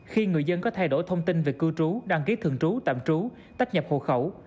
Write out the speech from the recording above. khi người dân có thay đổi thông tin về cư trú đăng ký thường trú tạm trú tách nhập hộ khẩu